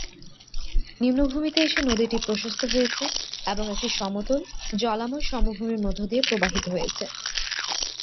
নিম্নভূমিতে এসে নদীটি প্রশস্ত হয়েছে এবং একটি সমতল, জলাময় সমভূমির মধ্য দিয়ে প্রবাহিত হয়েছে।